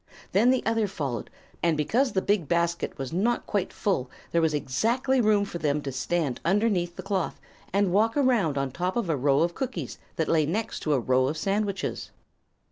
Then the other followed, and because the big basket was not quite full there was exactly room for them to stand underneath the cloth and walk around on top of a row of cookies that lay next to a row of sandwiches.